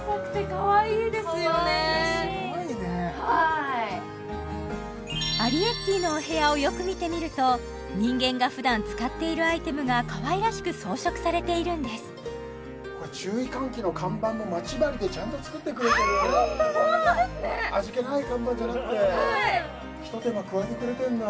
かわいいすごいねアリエッティのお部屋をよく見てみると人間が普段使っているアイテムがかわいらしく装飾されているんです注意喚起の看板もまち針でちゃんと作ってくれてるホントですね味気ない看板じゃなくてひと手間加えてくれてるんだ